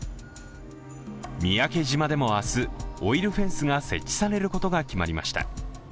三宅島でも明日、オイルフェンスが設置されることが決まりました。